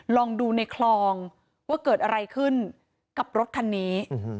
ลองดูในคลองว่าเกิดอะไรขึ้นกับรถคันนี้